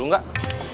takut gak cocok